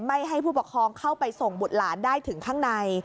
ให้ผู้ปกครองเข้าไปส่งบุตรหลานได้ถึงข้างใน